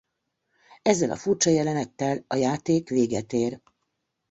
Ezzel a furcsa jelenettel a játék véget ér.